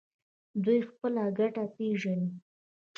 دوی خپله ګټه پیژني.